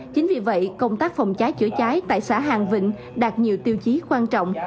chính vì vậy công tác phòng cháy chữa cháy tại xã hàng vịnh đạt nhiều tiêu chí quan trọng